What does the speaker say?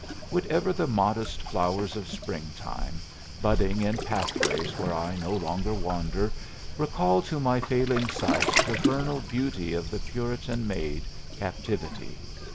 Would ever the modest flowers of spring time, budding in pathways where I no longer wander, recall to my failing sight the vernal beauty of the Puritan maid, Captivity?